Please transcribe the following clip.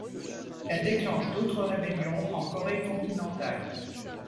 Elle déclenche d'autres rébellions en Corée continentale.